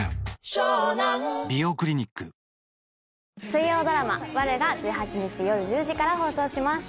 水曜ドラマ『悪女』が１８日夜１０時から放送します。